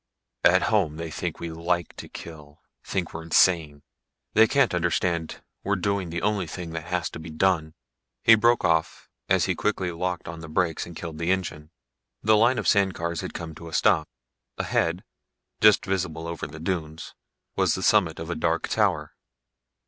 "At home they think we like to kill. Think we're insane. They can't understand we're doing the only thing that has to be done " He broke off as he quickly locked on the brakes and killed the engine. The line of sand cars had come to a stop. Ahead, just visible over the dunes, was the summit of a dark tower.